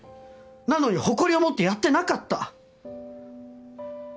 なのに誇りを持ってやってなかった。